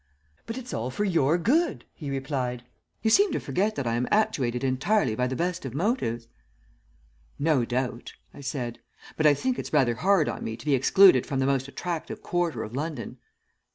"'But it's all for your good,' he replied. 'You seem to forget that I am actuated entirely by the best of motives.' "'No doubt,' I said, 'but I think it's rather hard on me to be excluded from the most attractive quarter of London.'